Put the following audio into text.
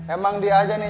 emang dia aja nih